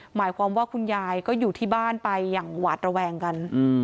หมายความว่าคุณยายก็อยู่ที่บ้านไปอย่างหวาดระแวงกัน